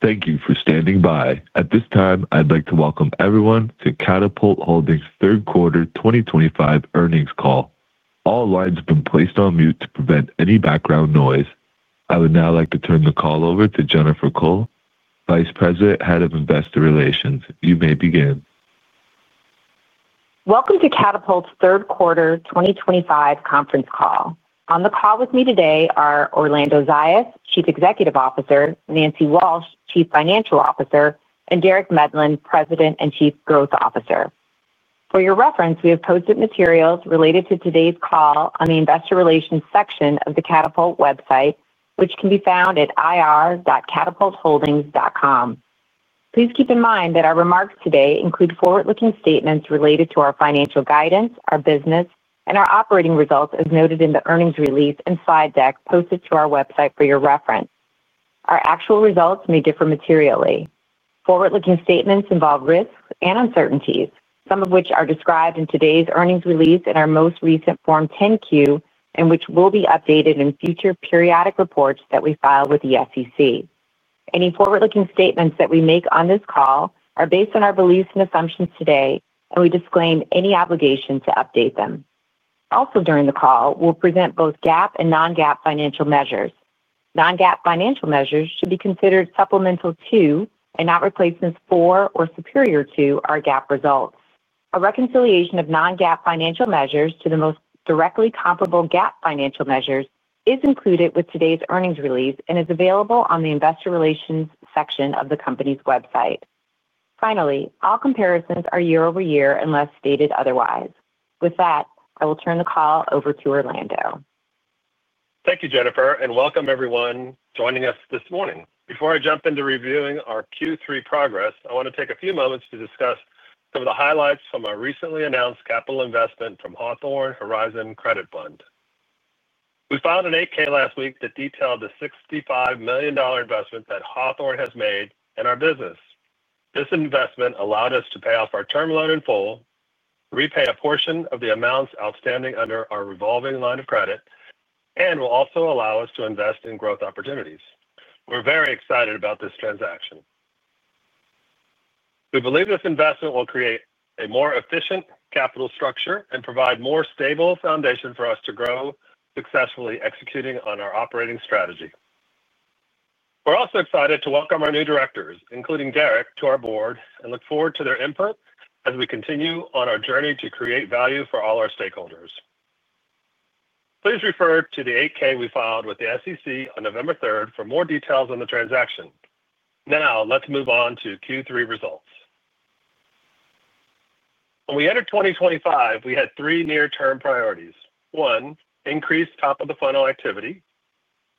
Thank you for standing by. At this time, I'd like to welcome everyone to Katapult Holdings' Third Quarter 2025 Earnings Call. All lines have been placed on mute to prevent any background noise. I would now like to turn the call over to Jennifer Kull, Vice President, Head of Investor Relations. You may begin. Welcome to Katapult's third quarter 2025 conference call. On the call with me today are Orlando Zayas, Chief Executive Officer; Nancy Walsh, Chief Financial Officer; and Derek Medlin, President and Chief Growth Officer. For your reference, we have posted materials related to today's call on the Investor Relations section of the Katapult website, which can be found at ir.katapultholdings.com. Please keep in mind that our remarks today include forward-looking statements related to our financial guidance, our business, and our operating results as noted in the earnings release and slide deck posted to our website for your reference. Our actual results may differ materially. Forward-looking statements involve risks and uncertainties, some of which are described in today's earnings release and our most recent Form 10-Q, which will be updated in future periodic reports that we file with the SEC. Any forward-looking statements that we make on this call are based on our beliefs and assumptions today, and we disclaim any obligation to update them. Also, during the call, we'll present both GAAP and non-GAAP financial measures. Non-GAAP financial measures should be considered supplemental to and not replacements for or superior to our GAAP results. A reconciliation of non-GAAP financial measures to the most directly comparable GAAP financial measures is included with today's earnings release and is available on the Investor Relations section of the company's website. Finally, all comparisons are year-over-year unless stated otherwise. With that, I will turn the call over to Orlando. Thank you, Jennifer, and welcome everyone joining us this morning. Before I jump into reviewing our Q3 progress, I want to take a few moments to discuss some of the highlights from our recently announced capital investment from Hawthorne Horizon Credit Fund. We filed an 8-K last week that detailed the $65 million investment that Hawthorne has made in our business. This investment allowed us to pay off our term loan in full, repay a portion of the amounts outstanding under our revolving line of credit, and will also allow us to invest in growth opportunities. We're very excited about this transaction. We believe this investment will create a more efficient capital structure and provide a more stable foundation for us to grow successfully, executing on our operating strategy. We're also excited to welcome our new directors, including Derek, to our board and look forward to their input as we continue on our journey to create value for all our stakeholders. Please refer to the 8-K we filed with the SEC on November 3rd for more details on the transaction. Now, let's move on to Q3 results. When we entered 2025, we had three near-term priorities. One, increase top-of-the-funnel activity.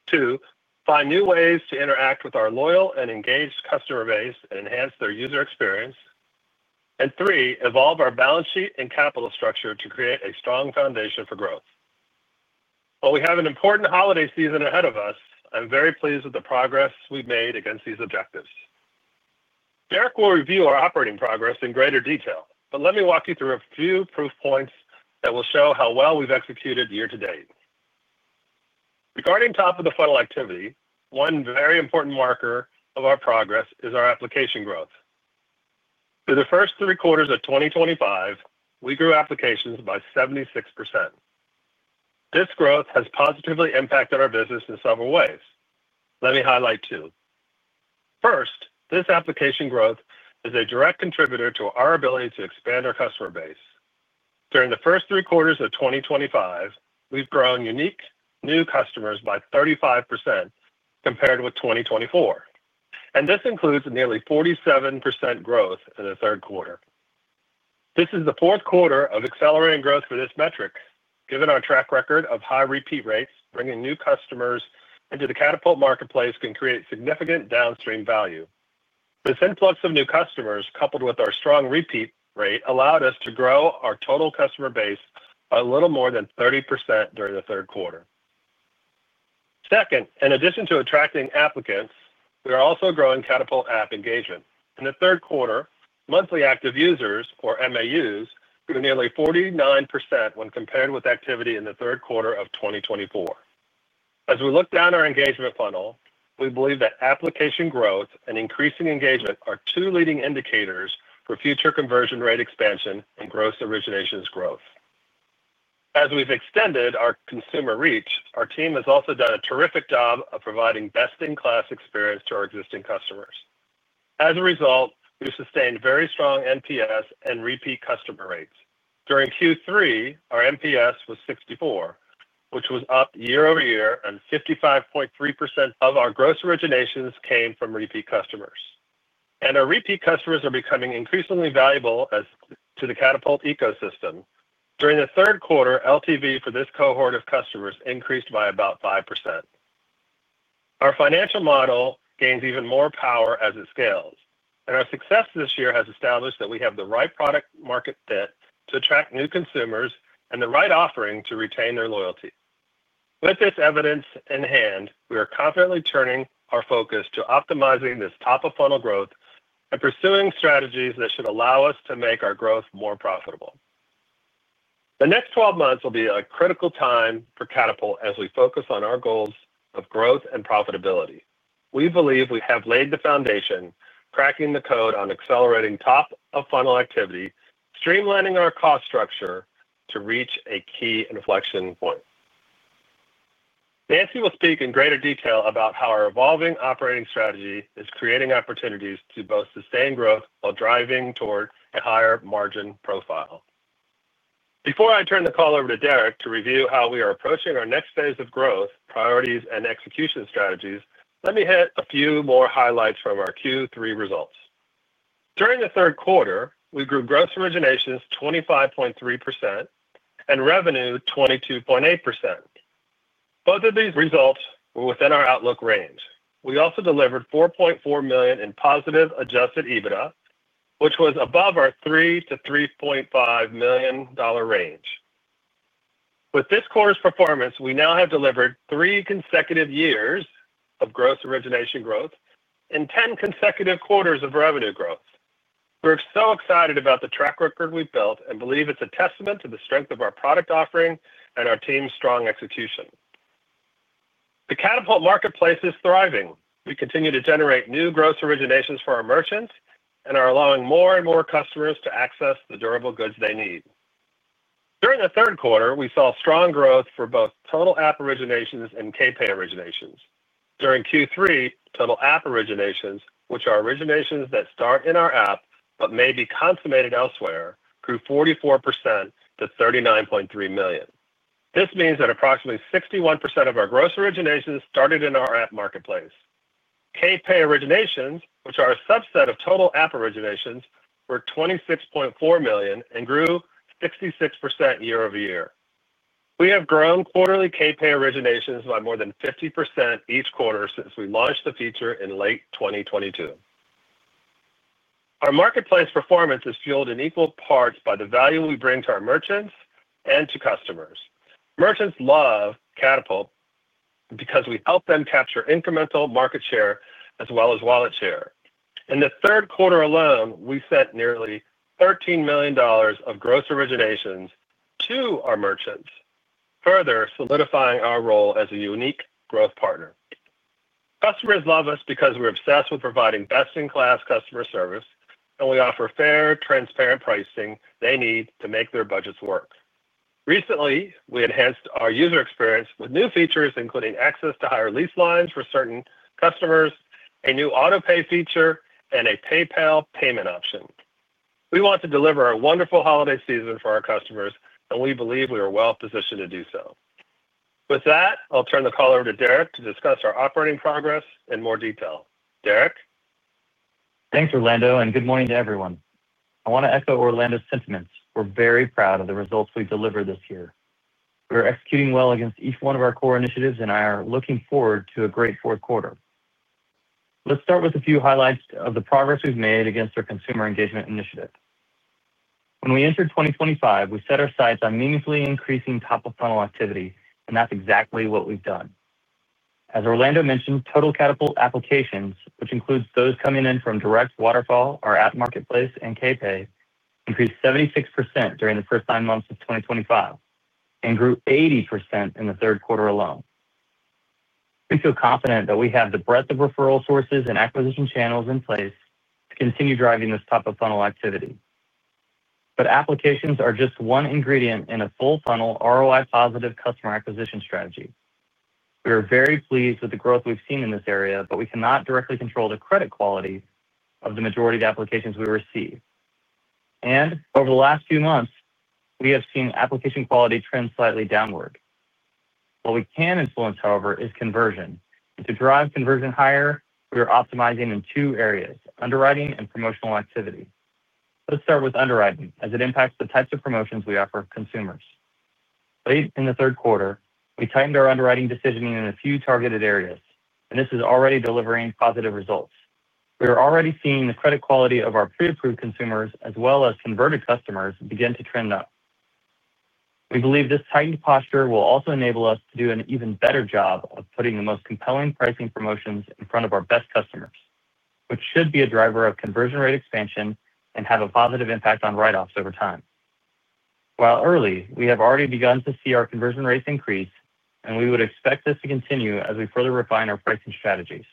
Two, find new ways to interact with our loyal and engaged customer base and enhance their user experience. Three, evolve our balance sheet and capital structure to create a strong foundation for growth. While we have an important holiday season ahead of us, I'm very pleased with the progress we've made against these objectives. Derek will review our operating progress in greater detail, but let me walk you through a few proof points that will show how well we've executed year to date. Regarding top-of-the-funnel activity, one very important marker of our progress is our application growth. For the first three quarters of 2025, we grew applications by 76%. This growth has positively impacted our business in several ways. Let me highlight two. First, this application growth is a direct contributor to our ability to expand our customer base. During the first three quarters of 2025, we've grown unique new customers by 35% compared with 2024, and this includes nearly 47% growth in the third quarter. This is the fourth quarter of accelerating growth for this metric. Given our track record of high repeat rates, bringing new customers into the Katapult marketplace can create significant downstream value. This influx of new customers, coupled with our strong repeat rate, allowed us to grow our total customer base by a little more than 30% during the third quarter. Second, in addition to attracting applicants, we are also growing Katapult App engagement. In the third quarter, monthly active users, or MAUs, grew nearly 49% when compared with activity in the third quarter of 2024. As we look down our engagement funnel, we believe that application growth and increasing engagement are two leading indicators for future conversion rate expansion and gross originations growth. As we have extended our consumer reach, our team has also done a terrific job of providing best-in-class experience to our existing customers. As a result, we have sustained very strong NPS and repeat customer rates. During Q3, our NPS was 64%, which was up year-over-year, and 55.3% of our gross originations came from repeat customers. Our repeat customers are becoming increasingly valuable to the Katapult ecosystem. During the third quarter, LTV for this cohort of customers increased by about 5%. Our financial model gains even more power as it scales, and our success this year has established that we have the right product-market fit to attract new consumers and the right offering to retain their loyalty. With this evidence in hand, we are confidently turning our focus to optimizing this top-of-funnel growth and pursuing strategies that should allow us to make our growth more profitable. The next 12 months will be a critical time for Katapult as we focus on our goals of growth and profitability. We believe we have laid the foundation, cracking the code on accelerating top-of-funnel activity, streamlining our cost structure to reach a key inflection point. Nancy will speak in greater detail about how our evolving operating strategy is creating opportunities to both sustain growth while driving toward a higher margin profile. Before I turn the call over to Derek to review how we are approaching our next phase of growth, priorities, and execution strategies, let me hit a few more highlights from our Q3 results. During the third quarter, we grew gross originations 25.3% and revenue 22.8%. Both of these results were within our outlook range. We also delivered $4.4 million in positive adjusted EBITDA, which was above our $3 million-$3.5 million range. With this quarter's performance, we now have delivered three consecutive years of gross origination growth and 10 consecutive quarters of revenue growth. We're so excited about the track record we've built and believe it's a testament to the strength of our product offering and our team's strong execution. The Katapult marketplace is thriving. We continue to generate new gross originations for our merchants and are allowing more and more customers to access the durable goods they need. During the third quarter, we saw strong growth for both total app originations and KPay originations. During Q3, total app originations, which are originations that start in our app but may be consummated elsewhere, grew 44% to $39.3 million. This means that approximately 61% of our gross originations started in our app marketplace. KPay originations, which are a subset of total app originations, were $26.4 million and grew 66% year-over-year. We have grown quarterly KPay originations by more than 50% each quarter since we launched the feature in late 2022. Our marketplace performance is fueled in equal parts by the value we bring to our merchants and to customers. Merchants love Katapult because we help them capture incremental market share as well as wallet share. In the third quarter alone, we sent nearly $13 million of gross originations to our merchants, further solidifying our role as a unique growth partner. Customers love us because we're obsessed with providing best-in-class customer service, and we offer fair, transparent pricing they need to make their budgets work. Recently, we enhanced our user experience with new features, including access to higher lease lines for certain customers, a new autopay feature, and a PayPal payment option. We want to deliver a wonderful holiday season for our customers, and we believe we are well-positioned to do so. With that, I'll turn the call over to Derek to discuss our operating progress in more detail. Derek? Thanks, Orlando, and good morning to everyone. I want to echo Orlando's sentiments. We're very proud of the results we delivered this year. We're executing well against each one of our core initiatives, and I am looking forward to a great fourth quarter. Let's start with a few highlights of the progress we've made against our consumer engagement initiative. When we entered 2025, we set our sights on meaningfully increasing top-of-funnel activity, and that's exactly what we've done. As Orlando mentioned, total Katapult applications, which includes those coming in from direct, waterfall, our app marketplace, and KPay, increased 76% during the first nine months of 2025 and grew 80% in the third quarter alone. We feel confident that we have the breadth of referral sources and acquisition channels in place to continue driving this top-of-funnel activity. Applications are just one ingredient in a full-funnel ROI-positive customer acquisition strategy. We are very pleased with the growth we've seen in this area, but we cannot directly control the credit quality of the majority of applications we receive. Over the last few months, we have seen application quality trend slightly downward. What we can influence, however, is conversion. To drive conversion higher, we are optimizing in two areas: underwriting and promotional activity. Let's start with underwriting, as it impacts the types of promotions we offer consumers. Late in the third quarter, we tightened our underwriting decision in a few targeted areas, and this is already delivering positive results. We are already seeing the credit quality of our pre-approved consumers as well as converted customers begin to trend up. We believe this tightened posture will also enable us to do an even better job of putting the most compelling pricing promotions in front of our best customers, which should be a driver of conversion rate expansion and have a positive impact on write-offs over time. While early, we have already begun to see our conversion rates increase, and we would expect this to continue as we further refine our pricing strategies.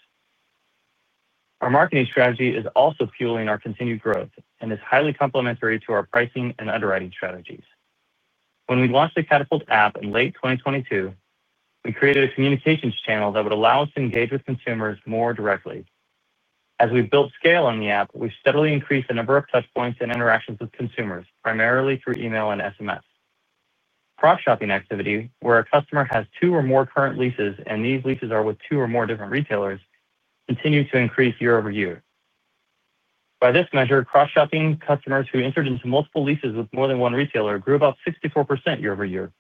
Our marketing strategy is also fueling our continued growth and is highly complementary to our pricing and underwriting strategies. When we launched the Katapult App in late 2022, we created a communications channel that would allow us to engage with consumers more directly. As we built scale on the app, we steadily increased the number of touchpoints and interactions with consumers, primarily through email and SMS. Cross-shopping activity, where a customer has two or more current leases and these leases are with two or more different retailers, continued to increase year-over-year. By this measure, cross-shopping customers who entered into multiple leases with more than one retailer grew about 64% year-over-year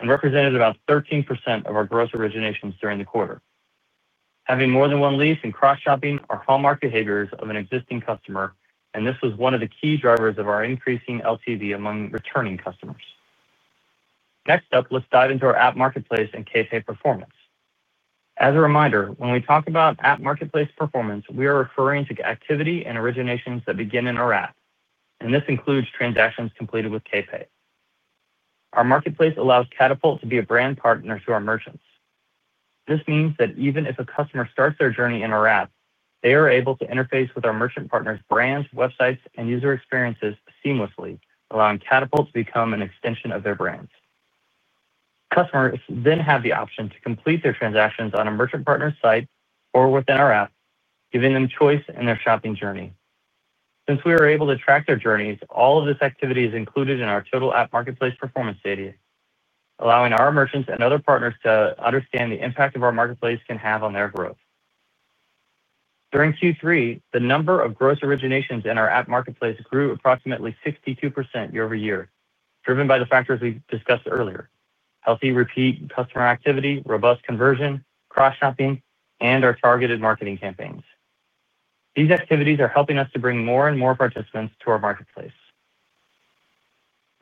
and represented about 13% of our gross originations during the quarter. Having more than one lease and cross-shopping are hallmark behaviors of an existing customer, and this was one of the key drivers of our increasing LTV among returning customers. Next up, let's dive into our app marketplace and KPay performance. As a reminder, when we talk about app marketplace performance, we are referring to activity and originations that begin in our app, and this includes transactions completed with KPay. Our marketplace allows Katapult to be a brand partner to our merchants. This means that even if a customer starts their journey in our app, they are able to interface with our merchant partner's brands, websites, and user experiences seamlessly, allowing Katapult to become an extension of their brands. Customers then have the option to complete their transactions on a merchant partner's site or within our app, giving them choice in their shopping journey. Since we are able to track their journeys, all of this activity is included in our total app marketplace performance data, allowing our merchants and other partners to understand the impact our marketplace can have on their growth. During Q3, the number of gross originations in our app marketplace grew approximately 62% year-over-year, driven by the factors we discussed earlier: healthy repeat customer activity, robust conversion, cross-shopping, and our targeted marketing campaigns. These activities are helping us to bring more and more participants to our marketplace.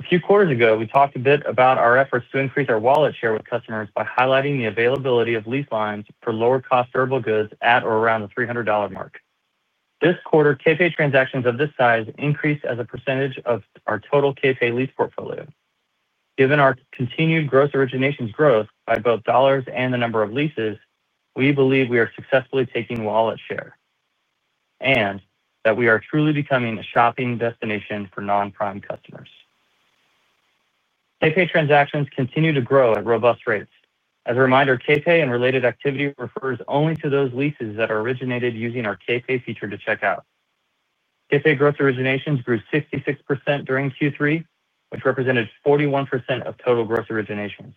A few quarters ago, we talked a bit about our efforts to increase our wallet share with customers by highlighting the availability of lease lines for lower-cost durable goods at or around the $300 mark. This quarter, KPay transactions of this size increased as a percentage of our total KPay lease portfolio. Given our continued gross originations growth by both dollars and the number of leases, we believe we are successfully taking wallet share and that we are truly becoming a shopping destination for non-prime customers. KPay transactions continue to grow at robust rates. As a reminder, KPay and related activity refers only to those leases that are originated using our KPay feature to check out. KPay gross originations grew 66% during Q3, which represented 41% of total gross originations.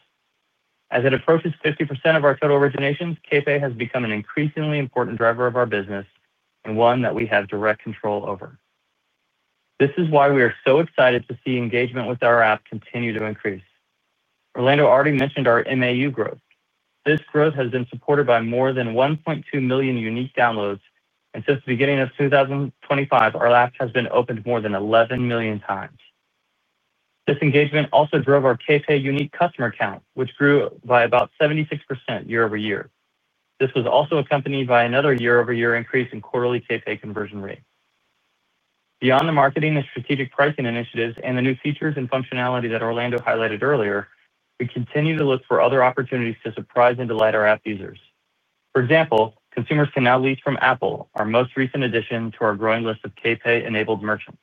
As it approaches 50% of our total originations, KPay has become an increasingly important driver of our business and one that we have direct control over. This is why we are so excited to see engagement with our app continue to increase. Orlando already mentioned our MAU growth. This growth has been supported by more than 1.2 million unique downloads, and since the beginning of 2025, our app has been opened more than 11 million times. This engagement also drove our KPay unique customer count, which grew by about 76% year-over-year. This was also accompanied by another year-over-year increase in quarterly KPay conversion rate. Beyond the marketing and strategic pricing initiatives and the new features and functionality that Orlando highlighted earlier, we continue to look for other opportunities to surprise and delight our app users. For example, consumers can now lease from Apple, our most recent addition to our growing list of KPay-enabled merchants.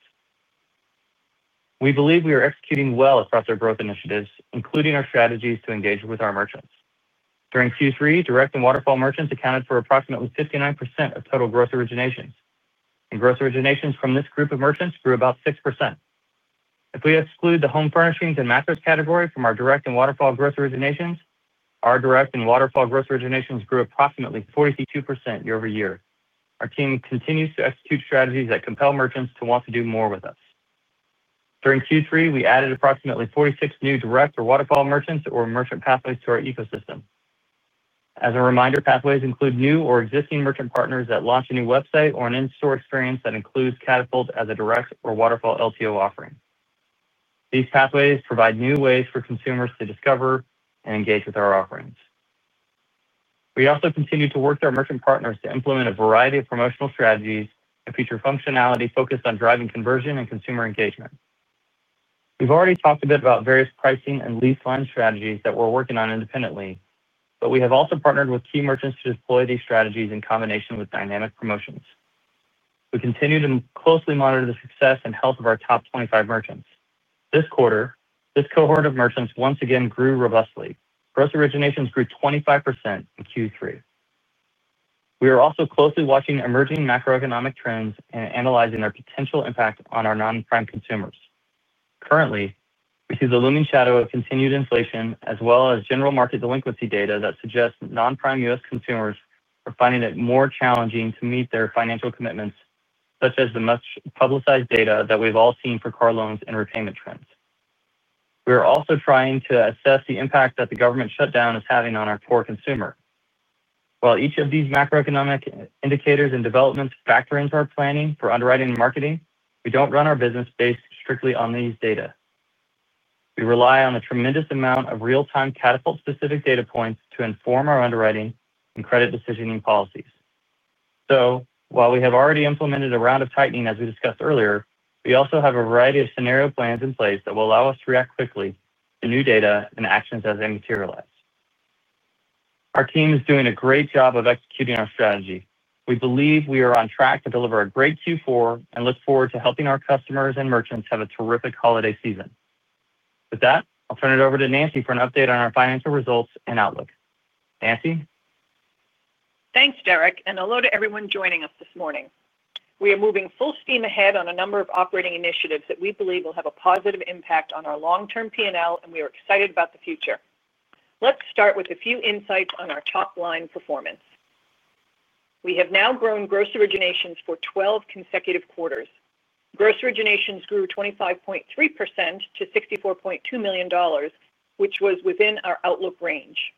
We believe we are executing well across our growth initiatives, including our strategies to engage with our merchants. During Q3, direct and waterfall merchants accounted for approximately 59% of total gross originations, and gross originations from this group of merchants grew about 6%. If we exclude the home furnishings and mattress category from our direct and waterfall gross originations, our direct and waterfall gross originations grew approximately 42% year-over-year. Our team continues to execute strategies that compel merchants to want to do more with us. During Q3, we added approximately 46 new direct or waterfall merchants or merchant pathways to our ecosystem. As a reminder, pathways include new or existing merchant partners that launch a new website or an in-store experience that includes Katapult as a direct or waterfall LTO offering. These pathways provide new ways for consumers to discover and engage with our offerings. We also continue to work with our merchant partners to implement a variety of promotional strategies and feature functionality focused on driving conversion and consumer engagement. We've already talked a bit about various pricing and lease line strategies that we're working on independently, but we have also partnered with key merchants to deploy these strategies in combination with dynamic promotions. We continue to closely monitor the success and health of our top 25 merchants. This quarter, this cohort of merchants once again grew robustly. Gross originations grew 25% in Q3. We are also closely watching emerging macroeconomic trends and analyzing their potential impact on our non-prime consumers. Currently, we see the looming shadow of continued inflation, as well as general market delinquency data that suggests non-prime U.S. Consumers are finding it more challenging to meet their financial commitments, such as the much publicized data that we've all seen for car loans and repayment trends. We are also trying to assess the impact that the government shutdown is having on our core consumer. While each of these macroeconomic indicators and developments factor into our planning for underwriting and marketing, we don't run our business based strictly on these data. We rely on a tremendous amount of real-time Katapult-specific data points to inform our underwriting and credit decisioning policies. While we have already implemented a round of tightening, as we discussed earlier, we also have a variety of scenario plans in place that will allow us to react quickly to new data and actions as they materialize. Our team is doing a great job of executing our strategy. We believe we are on track to deliver a great Q4 and look forward to helping our customers and merchants have a terrific holiday season. With that, I'll turn it over to Nancy for an update on our financial results and outlook. Nancy? Thanks, Derek, and hello to everyone joining us this morning. We are moving full steam ahead on a number of operating initiatives that we believe will have a positive impact on our long-term P&L, and we are excited about the future. Let's start with a few insights on our top-line performance. We have now grown gross originations for 12 consecutive quarters. Gross originations grew 25.3% to $64.2 million, which was within our outlook range.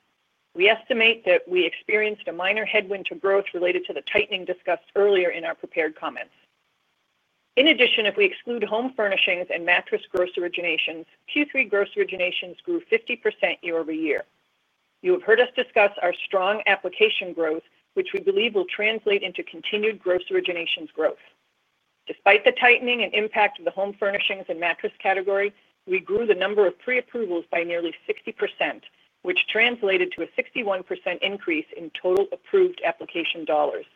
We estimate that we experienced a minor headwind to growth related to the tightening discussed earlier in our prepared comments. In addition, if we exclude home furnishings and mattress gross originations, Q3 gross originations grew 50% year-over-year. You have heard us discuss our strong application growth, which we believe will translate into continued gross originations growth. Despite the tightening and impact of the home furnishings and mattress category, we grew the number of pre-approvals by nearly 60%, which translated to a 61% increase in total approved application dollars.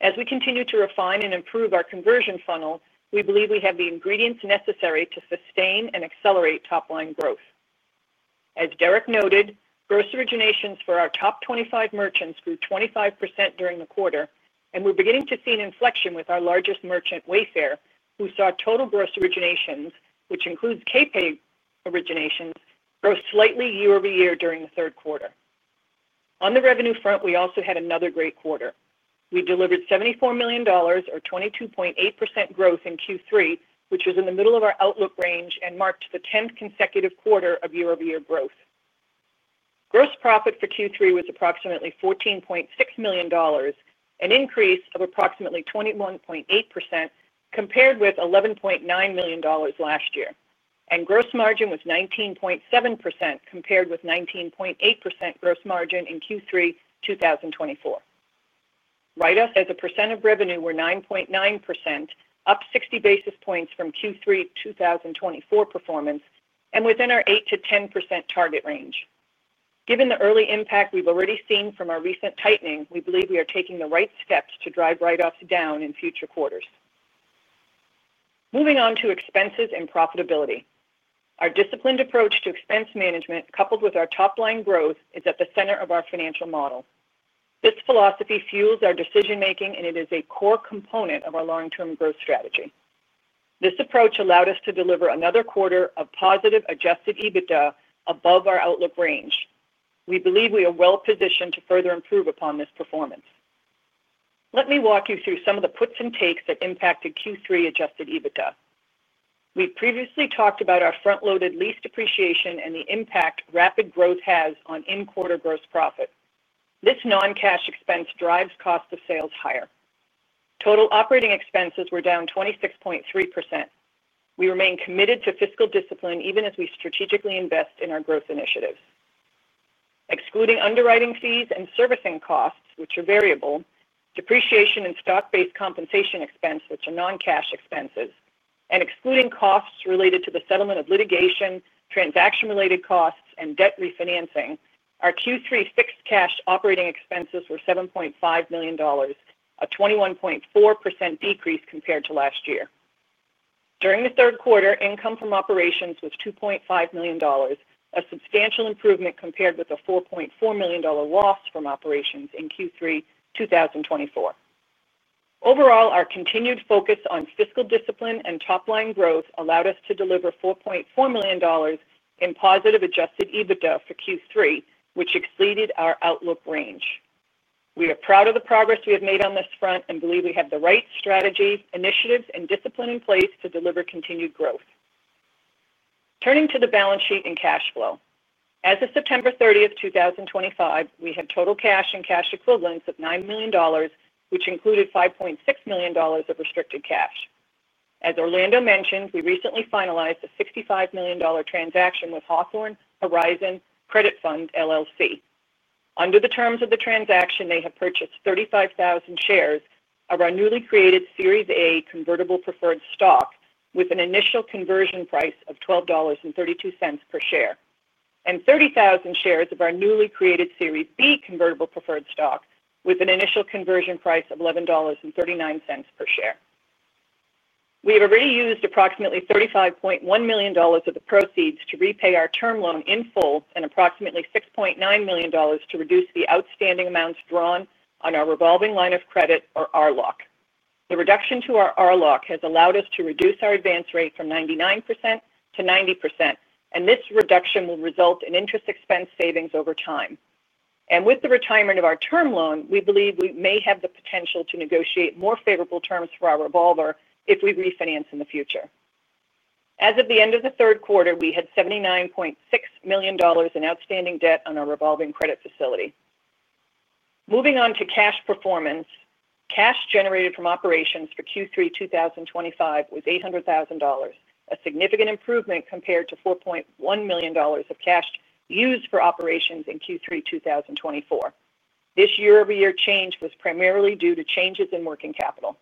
As we continue to refine and improve our conversion funnel, we believe we have the ingredients necessary to sustain and accelerate top-line growth. As Derek noted, gross originations for our top 25 merchants grew 25% during the quarter, and we are beginning to see an inflection with our largest merchant, Wayfair, who saw total gross originations, which includes KPay originations, grow slightly year-over-year during the third quarter. On the revenue front, we also had another great quarter. We delivered $74 million, or 22.8% growth in Q3, which was in the middle of our outlook range and marked the 10th consecutive quarter of year-over-year growth. Gross profit for Q3 was approximately $14.6 million, an increase of approximately 21.8% compared with $11.9 million last year, and gross margin was 19.7% compared with 19.8% gross margin in Q3 2023. Write-offs as a percent of revenue were 9.9%, up 60 basis points from Q3 2023 performance and within our 8%-10% target range. Given the early impact we've already seen from our recent tightening, we believe we are taking the right steps to drive write-offs down in future quarters. Moving on to expenses and profitability. Our disciplined approach to expense management, coupled with our top-line growth, is at the center of our financial model. This philosophy fuels our decision-making, and it is a core component of our long-term growth strategy. This approach allowed us to deliver another quarter of positive adjusted EBITDA above our outlook range. We believe we are well-positioned to further improve upon this performance. Let me walk you through some of the puts and takes that impacted Q3 adjusted EBITDA. We previously talked about our front-loaded lease depreciation and the impact rapid growth has on in-quarter gross profit. This non-cash expense drives cost of sales higher. Total operating expenses were down 26.3%. We remain committed to fiscal discipline even as we strategically invest in our growth initiatives. Excluding underwriting fees and servicing costs, which are variable, depreciation and stock-based compensation expense, which are non-cash expenses, and excluding costs related to the settlement of litigation, transaction-related costs, and debt refinancing, our Q3 fixed cash operating expenses were $7.5 million, a 21.4% decrease compared to last year. During the third quarter, income from operations was $2.5 million, a substantial improvement compared with a $4.4 million loss from operations in Q3 2024. Overall, our continued focus on fiscal discipline and top-line growth allowed us to deliver $4.4 million in positive adjusted EBITDA for Q3, which exceeded our outlook range. We are proud of the progress we have made on this front and believe we have the right strategies, initiatives, and discipline in place to deliver continued growth. Turning to the balance sheet and cash flow. As of September 30, 2025, we had total cash and cash equivalents of $9 million, which included $5.6 million of restricted cash. As Orlando mentioned, we recently finalized a $65 million transaction with Hawthorne Horizon Credit Fund, LLC. Under the terms of the transaction, they have purchased 35,000 shares of our newly created Series A convertible preferred stock with an initial conversion price of $12.32 per share, and 30,000 shares of our newly created Series B convertible preferred stock with an initial conversion price of $11.39 per share. We have already used approximately $35.1 million of the proceeds to repay our term loan in full and approximately $6.9 million to reduce the outstanding amounts drawn on our revolving line of credit, or RLOC. The reduction to our RLOC has allowed us to reduce our advance rate from 99% to 90%, and this reduction will result in interest expense savings over time. With the retirement of our term loan, we believe we may have the potential to negotiate more favorable terms for our revolver if we refinance in the future. As of the end of the third quarter, we had $79.6 million in outstanding debt on our revolving credit facility. Moving on to cash performance, cash generated from operations for Q3 2025 was $800,000, a significant improvement compared to $4.1 million of cash used for operations in Q3 2024. This year-over-year change was primarily due to changes in working capital.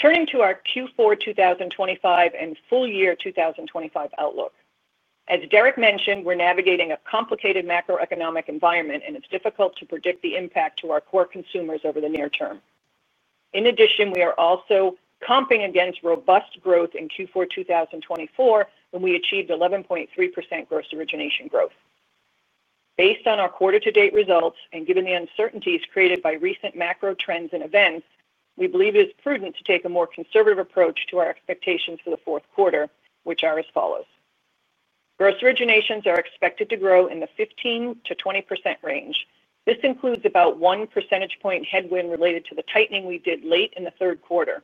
Turning to our Q4 2025 and full year 2025 outlook. As Derek mentioned, we're navigating a complicated macroeconomic environment, and it's difficult to predict the impact to our core consumers over the near term. In addition, we are also comping against robust growth in Q4 2024 when we achieved 11.3% gross origination growth. Based on our quarter-to-date results and given the uncertainties created by recent macro trends and events, we believe it is prudent to take a more conservative approach to our expectations for the fourth quarter, which are as follows. Gross originations are expected to grow in the 15%-20% range. This includes about one percentage point headwind related to the tightening we did late in the third quarter.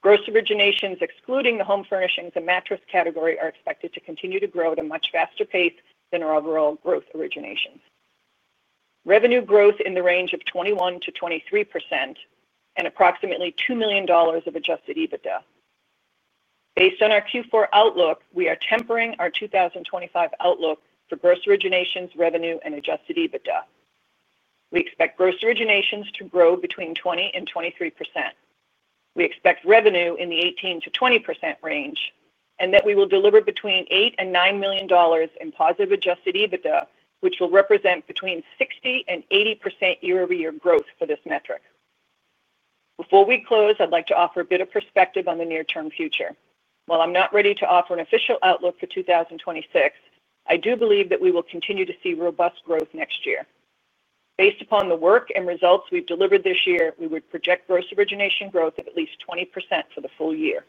Gross originations, excluding the home furnishings and mattress category, are expected to continue to grow at a much faster pace than our overall gross originations. Revenue growth in the range of 21%-23% and approximately $2 million of adjusted EBITDA. Based on our Q4 outlook, we are tempering our 2025 outlook for gross originations, revenue, and adjusted EBITDA. We expect gross originations to grow between 20% and 23%. We expect revenue in the 18%-20% range and that we will deliver between $8 million and $9 million in positive adjusted EBITDA, which will represent between 60%-80% year-over-year growth for this metric. Before we close, I'd like to offer a bit of perspective on the near-term future. While I'm not ready to offer an official outlook for 2026, I do believe that we will continue to see robust growth next year. Based upon the work and results we've delivered this year, we would project gross origination growth of at least 20% for the full year.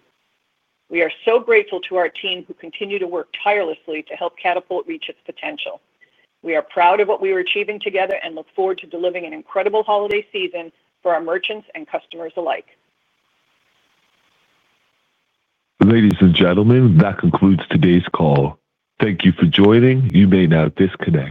We are so grateful to our team who continue to work tirelessly to help Katapult reach its potential. We are proud of what we are achieving together and look forward to delivering an incredible holiday season for our merchants and customers alike. Ladies and gentlemen, that concludes today's call. Thank you for joining. You may now disconnect.